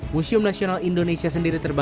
museum nasional indonesia sendiri